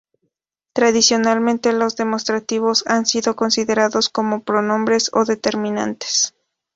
Tradicionalmente los demostrativos han sido considerados como pronombres o determinantes.